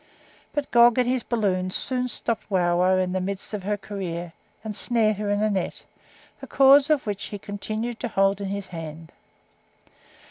But Gog in his balloon soon stopped Wauwau in the midst of her career, and snared her in a net, the cords of which he continued to hold in his hand.